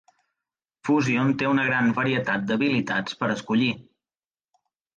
"Fuzion" té una gran varietat d'habilitats per escollir.